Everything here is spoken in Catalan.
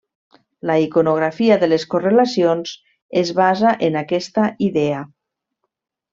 La iconografia de les correlacions es basa en aquesta idea.